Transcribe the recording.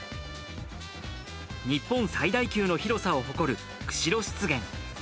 日本最大級の広さを誇る釧路湿原。